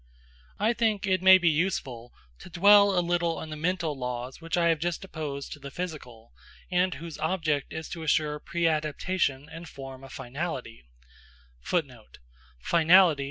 I think it may be useful to dwell a little on the mental laws which I have just opposed to the physical, and whose object is to assure preadaptation and form a finality.